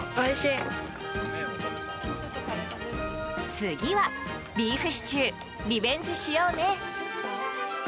次は、ビーフシチューリベンジしようね！